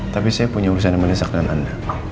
tapi saya punya urusan yang menyesal dengan anda